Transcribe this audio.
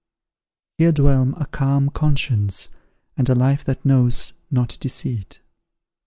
"Here dwell a calm conscience, and a life that knows not deceit."